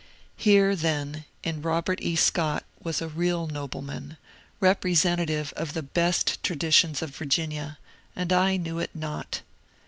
Here, then, in Robert E. Scott was a real nobleman, repre sentative of the best traditions of Virginia, and I knew it not.